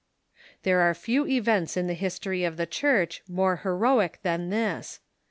There are few events in the history of the Church more heroic than this.